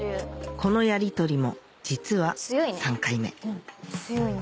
このやりとりも実は３回目強いね。